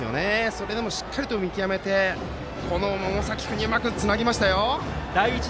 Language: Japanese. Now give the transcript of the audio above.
それでもしっかり見極めて百崎君にうまくつなげました。